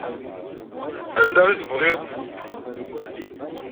Anda i teɣriḍ?